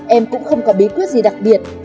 em cũng không có bí quyết gì đặc biệt